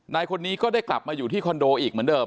นายคนนี้ก็ได้กลับมาอยู่ที่คอนโดอีกเหมือนเดิม